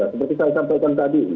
seperti saya sampaikan tadi